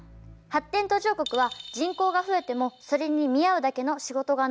発展途上国は人口が増えてもそれに見合うだけの仕事がない。